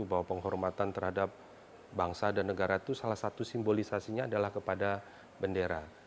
bahwa penghormatan terhadap bangsa dan negara itu salah satu simbolisasinya adalah kepada bendera